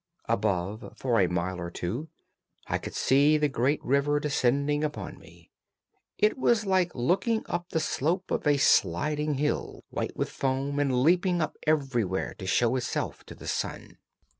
Above, for a mile or two, I could see the great river descending upon me; it was like looking up the slope of a sliding hill, white with foam, and leaping up everywhere to show itself to the sun.